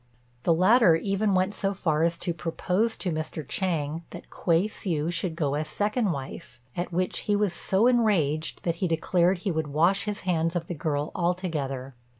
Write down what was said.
The latter even went so far as to propose to Mr. Chang that Kuei hsiu should go as second wife, at which he was so enraged that he declared he would wash his hands of the girl altogether.